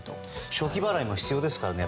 暑気払いも必要ですから。